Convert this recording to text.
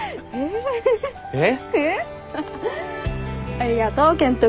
ありがとう健人君。